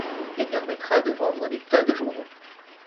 et permettra de vendre des tas de journaux.